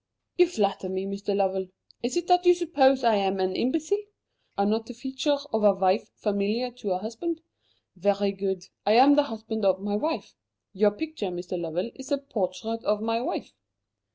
"You flatter me, Mr. Lovell. Is it that you suppose I am an imbecile? Are not the features of a wife familiar to a husband? Very good. I am the husband of my wife. Your picture, Mr. Lovell, is a portrait of my wife."